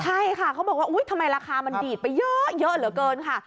ใช่ค่ะเขาบอกว่าอุ๊ยทำไมราคามันดีดไปเยอะเหลือเกินค่ะ